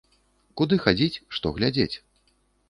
Куды хадзіць, што глядзець?